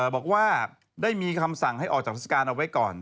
บอกว่าได้มีคำสั่งให้ออกจากราชการเอาไว้ก่อน